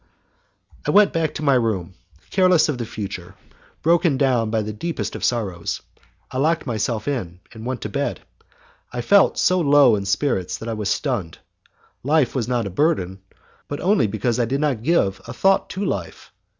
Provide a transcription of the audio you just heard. ...................... I went back to my room, careless of the future, broken down by the deepest of sorrows, I locked myself in, and went to bed. I felt so low in spirits that I was stunned. Life was not a burden, but only because I did not give a thought to life.